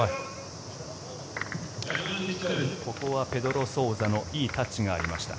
ここはペドロ・ソウザのいいタッチがありました。